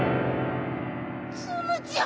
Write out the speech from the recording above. ツムちゃん